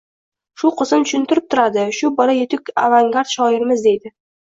— Shu qizim tushuntirib turadi. Shu bola yetuk avangard shoirimiz, deydi.